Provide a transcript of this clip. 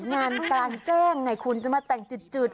งานกลางแจ้งไงคุณจะมาแต่งจุด